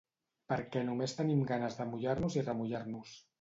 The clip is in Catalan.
perquè només tenim ganes de mullar-nos i remullar-nos